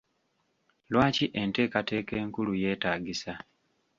Lwaki enteekateeka enkulu yeetaagisa?